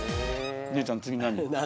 姉ちゃん次何？